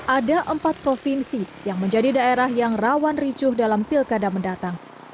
ada empat provinsi yang menjadi daerah yang rawan ricuh dalam pilkada mendatang